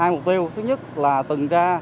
hai mục tiêu thứ nhất là từng tra